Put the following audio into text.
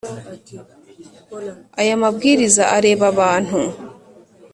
aya mabwiriza areba abantu